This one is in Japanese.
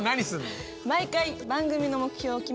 毎回番組の目標を決めて進めます。